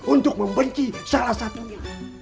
untuk membenci salah satunya